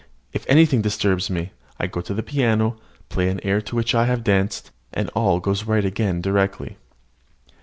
If anything disturbs me, I go to the piano, play an air to which I have danced, and all goes right again directly."